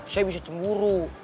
saya bisa cemburu